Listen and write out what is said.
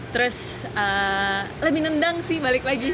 terus lebih nendang sih balik lagi